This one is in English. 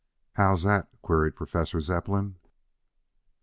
"How's that?" queried Professor Zepplin.